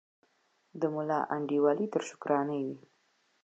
د ملا انډیوالي تر شکرانې وي